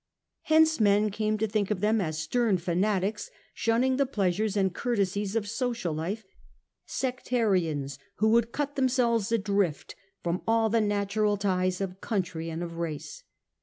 Hence men came to think of them as stern fanatics, shunning the pleasures and courtesies of social life, sec tarians who would cut themselves adrift from all the natural ties of country and of race.